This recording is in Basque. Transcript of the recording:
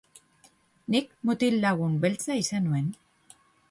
Nik mutil-lagun beltza izan nuen.